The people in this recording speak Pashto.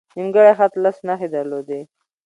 نیمګړی خط لس نښې درلودې.